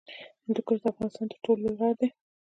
هندوکش د افغانستان تر ټولو لوی غر دی